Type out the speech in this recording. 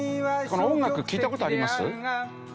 この音楽聴いた事あります？